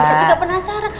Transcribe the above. kita juga penasaran